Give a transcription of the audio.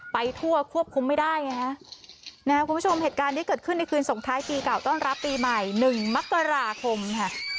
ไปทั่วควบคุมไม่ได้ไงฮะนะครับคุณผู้ชมเหตุการณ์นี้เกิดขึ้นในคืนส่งท้ายปีเก่าต้อนรับปีใหม่๑มกราคมค่ะ